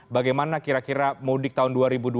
bagaimana kira kira mudik tahun